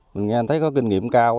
mình nghe anh thấy có kinh nghiệm cao